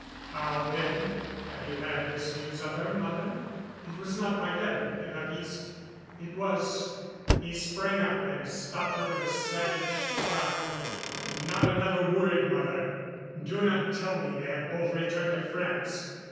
"How, then, have you had news of her, mother?" "It was not by letter, Évariste; it was...." He sprang up and stopped her with a savage cry: "Not another word, mother! Do not tell me they have both returned to France....